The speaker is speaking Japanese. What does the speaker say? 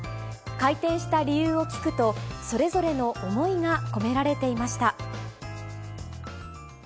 開店した理由を聞くと、それぞれの思いが込められていました。